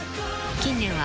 ［近年は］